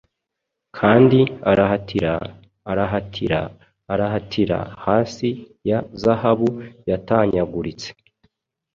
Kandi arahatira, arahatira, arahatira, Hasi ya zahabu yatanyaguritse.